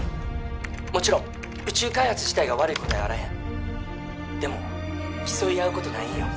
もちろん宇宙開発自体が悪いことやあらへんでも競い合うことないんよ